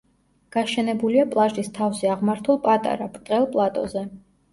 გაშენებულია პლაჟის თავზე აღმართულ პატარა, ბრტყელ პლატოზე.